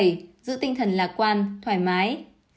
tám luyện tập giữ tinh thần lạc quan thoải mái